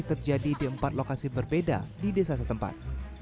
terjadi di empat lokasi berbeda di desa setempat